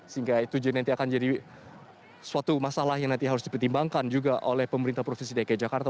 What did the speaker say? sehingga itu nanti akan jadi suatu masalah yang nanti harus dipertimbangkan juga oleh pemerintah provinsi dki jakarta